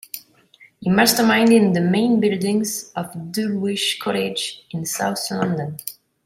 He masterminded the main buildings of Dulwich College in South London.